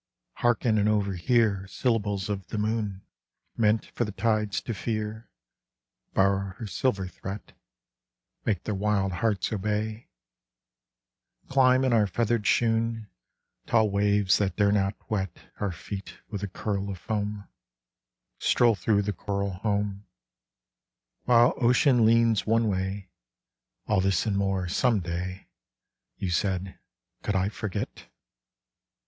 Hearken and overhear Syllables of the moon Meant for the tides to fear, Borrow her silver threat, Make their wild hearts obey : Climb in our feathered shoon Tall waves that dare not wet Our feet with a curl of foam : Stroll through the coral home, While ocean leans one way — All this and more, some day !" You said. Could I forget?